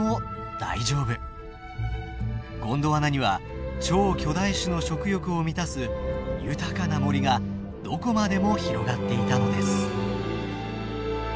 ゴンドワナには超巨大種の食欲を満たす豊かな森がどこまでも広がっていたのです。